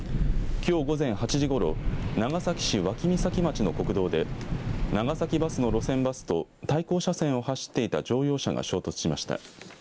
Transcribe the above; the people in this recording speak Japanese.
きょう午前８時ごろ長崎市脇岬町の国道で長崎バスの路線バスと対向車線を走っていた乗用車が衝突しました。